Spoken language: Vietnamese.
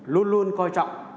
luôn luôn coi trọng